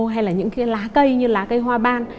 hay là những cái lá cây như lá cây hoa ban